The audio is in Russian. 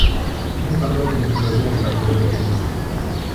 Мы подобные предложения поддержать не можем.